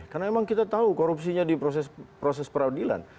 karena memang kita tahu korupsinya di proses peradilan